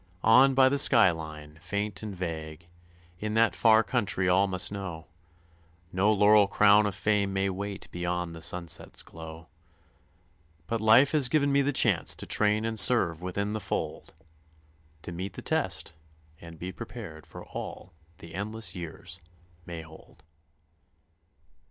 On by the sky line, faint and vague, in that Far Country all must know, No laurel crown of fame may wait beyond the sunset's glow; But life has given me the chance to train and serve within the fold, To meet the test and be prepared for all the endless years may hold.